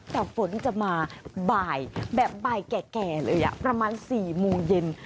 แต่ฝนจะมาบ่ายแบบบ่ายแก่เลยประมาณ๔โมงเย็น